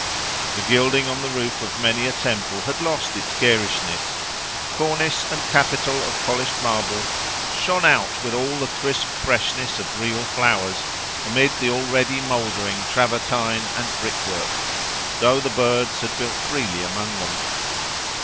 The gilding on the roof of many a temple had lost its garishness: cornice and capital of polished marble shone out with all the crisp freshness of real flowers, amid the already mouldering travertine and brickwork, though the birds had built freely among them.